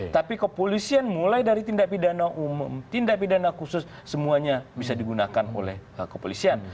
tapi kepolisian mulai dari tindak pidana umum tindak pidana khusus semuanya bisa digunakan oleh kepolisian